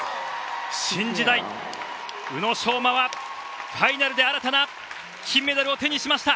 新時代、宇野昌磨はファイナルで新たな金メダルを手にしました！